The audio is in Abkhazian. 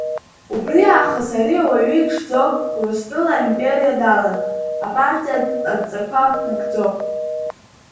Убри аахыс ари ауаҩы иҽӡо Урыстәыла аимпериа далан, апартиа адҵақәа нагӡо.